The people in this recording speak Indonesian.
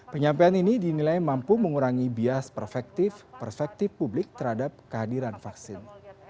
penyampaian ini dinilai mampu mengurangi bias perspektif perspektif publik terhadap kehadiran vaksin